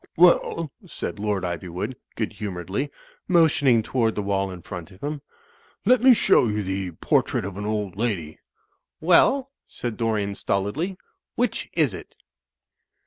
"Well," said Lord Ivywood, good humotu edly, mo tioning toward the wall in front of him, "let me show you the 'Portrait of an Old Lady.' " "Well," said Dorian, stolidly, "which is it?"